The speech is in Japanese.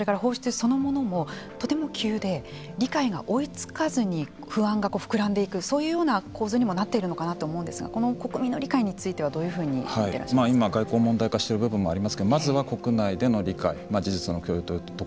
それから放出そのものもとても急で理解が追いつかずに不安が膨らんでいくそういうふうな構図にもなっているのかなと思うんですがこの国民の理解についてはどういうふうに今、外交問題化している部分もありますけれどもまずは国内での理解。